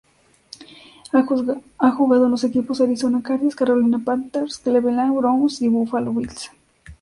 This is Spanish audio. Ha jugado en los equipos Arizona Cardinals, Carolina Panthers, Cleveland Browns y Buffalo Bills.